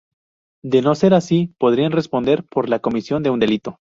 De no ser así podrían responder por la comisión de un delito.